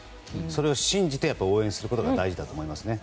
それを信じて応援することが大事だと思いますね。